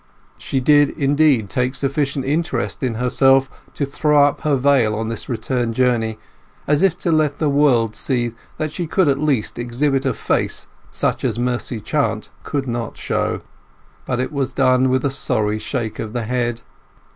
She did, indeed, take sufficient interest in herself to throw up her veil on this return journey, as if to let the world see that she could at least exhibit a face such as Mercy Chant could not show. But it was done with a sorry shake of the head.